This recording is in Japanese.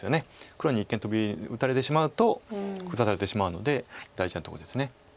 黒に一間トビ打たれてしまうと封鎖されてしまうので大事なとこです。